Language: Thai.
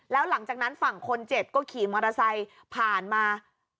แล้วหลังจากนั้นฝั่งคนเจ็บก็ขี่มอเตอร์ไซค์ผ่านมา